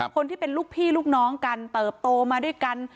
คนที่เป็นลูกพี่ลูกน้องกันเติบโตมาด้วยกัน